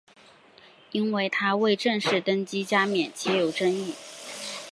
因为他未正式登基加冕且有争议。